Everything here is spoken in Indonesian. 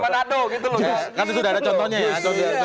kan itu sudah ada contohnya ya